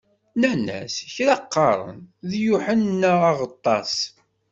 Nnan-as: Kra qqaren: d Yuḥenna Aɣeṭṭaṣ.